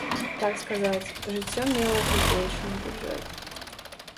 Так сказаць, жыццё мела капеечны бюджэт.